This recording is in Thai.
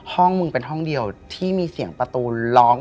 ห้องมึงเป็นห้องเดียวที่มีเสียงประตูร้อง